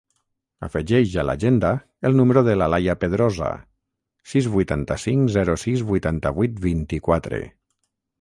Afegeix a l'agenda el número de l'Alaia Pedrosa: sis, vuitanta-cinc, zero, sis, vuitanta-vuit, vint-i-quatre.